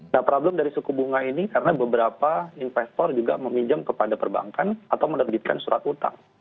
nah problem dari suku bunga ini karena beberapa investor juga meminjam kepada perbankan atau menerbitkan surat utang